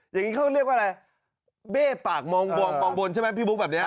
อย่างนี้เขาเรียกว่าอะไรเบ้ปากมองบนใช่ไหมพี่บุ๊คแบบนี้